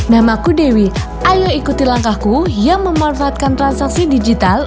namaku dewi ayo ikuti langkahku yang memanfaatkan transaksi digital